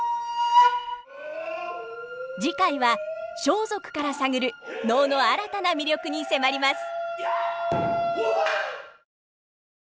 次回は装束から探る能の新たな魅力に迫ります。